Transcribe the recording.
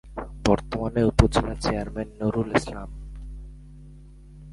বর্তমান উপজেলা চেয়ারম্যান :নূরুল ইসলাম।